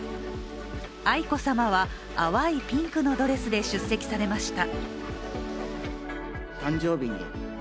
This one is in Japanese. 愛子さまは淡いピンクのドレスで出席されました。